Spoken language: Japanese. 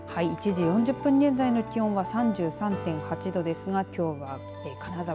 １時４０分現在の気温は３３．８度ですがきょうは金沢。